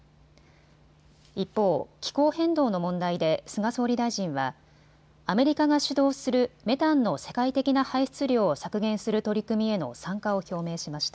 一方、気候変動の問題で菅総理大臣はアメリカが主導するメタンの世界的な排出量を削減する取り組みへの参加を表明しました。